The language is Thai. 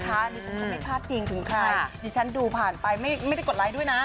อันนี้ฉันก็ไม่พลาดพิงถึงใครดิฉันดูผ่านไปไม่ได้กดไลค์ด้วยนะ